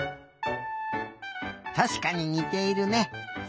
たしかににているね。